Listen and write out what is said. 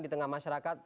di tengah masyarakat